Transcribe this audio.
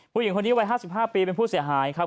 ผู้หญิงคนนี้วัย๕๕ปีเป็นผู้เสียหายครับ